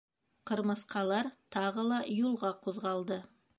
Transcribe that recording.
Ҡырмыҫҡалар тағы ла юлға ҡуҙғалды.